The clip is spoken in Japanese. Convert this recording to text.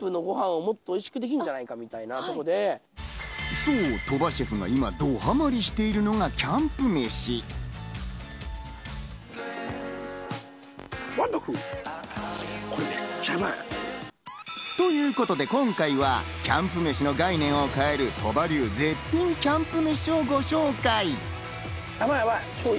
そう鳥羽シェフが今、どハマりしているのが、キャンプ飯。ということで今回はキャンプ飯の概念を変える、鳥羽流絶品キャンプ飯をご紹介。